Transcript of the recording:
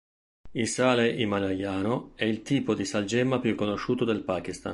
Il sale himalayano è il tipo di salgemma più conosciuto del Pakistan.